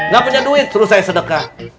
gak punya duit terus saya sedekah